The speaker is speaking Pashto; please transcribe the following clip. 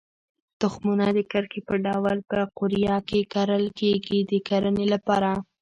تخمونه د کرښې په ډول په قوریه کې کرل کېږي د کرنې لپاره.